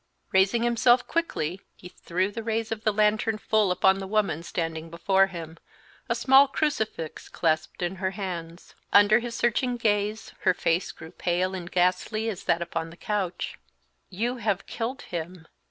Raising himself quickly, he threw the rays of the lantern full upon the woman standing before him, a small crucifix clasped in her hands. Under his searching gaze her face grew pale and ghastly as that upon the couch. "You have killed him!"